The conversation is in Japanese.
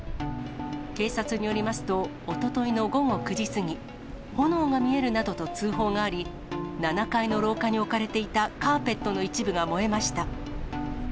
警察によりますと、おとといの午後９時過ぎ、炎が見えるなどと通報があり、７階の廊下に置かれていたカーペットの一部が燃えました。